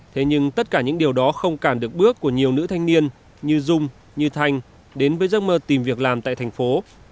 thế nhưng tất cả những điều đó không cản được bước của nhiều nữ thanh niên như dung như thanh đến với giấc mơ tìm việc làm tại thành phố